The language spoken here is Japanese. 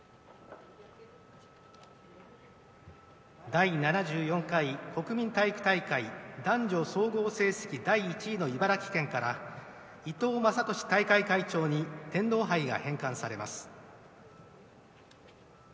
第７４回国民体育大会男女総合成績第１位の茨城県から伊藤雅俊大会会長に天皇杯が返還されます。